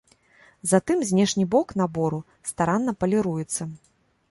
Затым знешні бок набору старанна паліруецца.